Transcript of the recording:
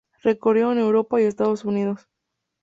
Recorriendo Europa y Estados Unidos.